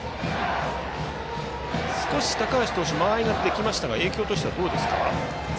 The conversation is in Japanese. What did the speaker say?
少し高橋投手間合いができましたが影響としてはどうですか？